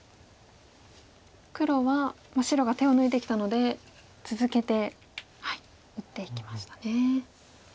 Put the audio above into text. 黒は白が手を抜いてきたので続けて打っていきましたね。